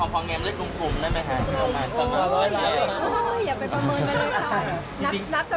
ของพอเงียบได้คุ้มได้ไหมคะ